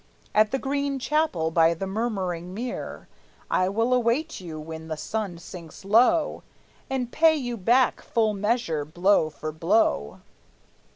At the Green Chapel by the Murmuring Mere I will await you when the sun sinks low, And pay you back full measure, blow for blow!"